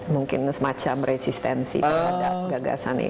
mungkin semacam resistensi terhadap gagasan ini